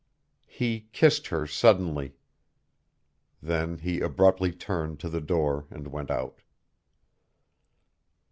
He kissed her suddenly. Then he abruptly turned to the door and went out.